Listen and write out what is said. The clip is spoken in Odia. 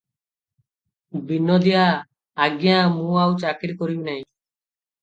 ବିନୋଦିଆ- ଆଜ୍ଞା! ମୁଁ ଆଉ ଚାକିରି କରିବି ନାହିଁ ।